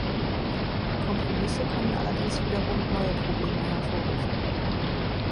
Kompromisse können allerdings wiederum neue Probleme hervorrufen.